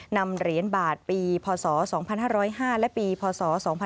นำเหรียญบาทปีพศ๒๕๐๕และปีพศ๒๕๖๒